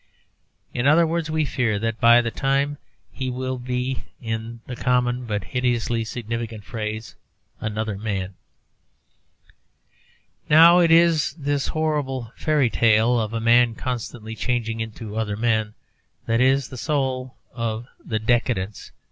In other words, we fear that by that time he will be, in the common but hideously significant phrase, another man. Now, it is this horrible fairy tale of a man constantly changing into other men that is the soul of the Decadence.